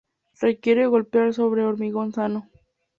Requiere golpear sobre hormigón sano.